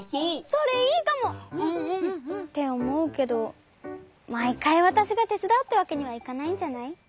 それいいかも。っておもうけどまいかいわたしがてつだうってわけにはいかないんじゃない？